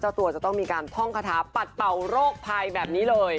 ตัวจะต้องมีการท่องคาถาปัดเป่าโรคภัยแบบนี้เลย